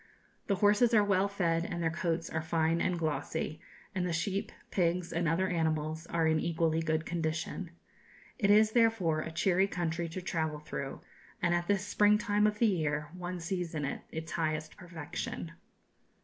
The horses are well fed, and their coats are fine and glossy, and the sheep, pigs, and other animals are in equally good condition. It is therefore a cheery country to travel through, and at this spring time of the year one sees it in its highest perfection.